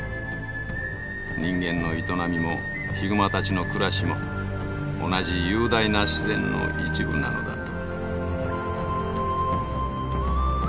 人間の営みもヒグマたちの暮らしも同じ雄大な自然の一部なのだと。